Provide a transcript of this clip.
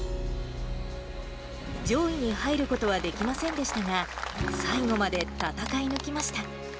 上位に入ることはできませんでしたが、最後まで戦い抜きました。